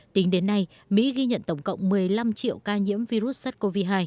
tính đến nay mỹ ghi nhận tổng cộng một mươi năm triệu ca nhiễm virus sars cov hai